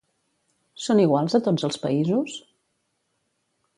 Són iguals a tots els països?